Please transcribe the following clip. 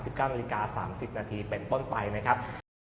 สิบเก้านาฬิกาสามสิบนาทีเป็นต้นไปนะครับ